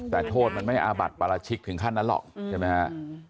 แต่โทษมันไม่อาบัติปราชิกถึงขั้นนั้นหรอก